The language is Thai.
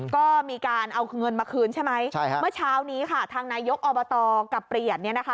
ก็มีการเอาเงินมาคืนใช่ไหมเมื่อเช้านี้ค่ะทางนายกอบตกับเปลี่ยนเนี่ยนะคะ